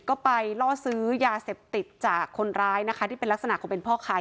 เล่าซื้อยาเสพติจากคนร้ายนะคะที่เป็นลักษณะเขาเป็นพ่อค้าย่า